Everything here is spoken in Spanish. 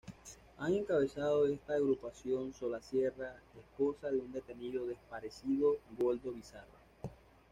Han encabezado esta Agrupación Sola Sierra, esposa de un detenido desparecido, Waldo Pizarro.